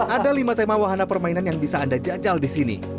ada lima tema wahana permainan yang bisa anda jajal di sini